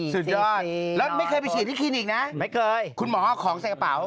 สุดยอดแล้วไม่เคยไปฉีดที่คลินิกนะไม่เคยคุณหมอเอาของใส่กระเป๋า